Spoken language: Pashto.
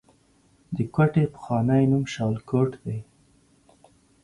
د کوټې پخوانی نوم شالکوټ دی